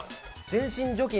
全身除菌？